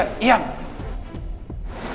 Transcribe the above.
ian ian ian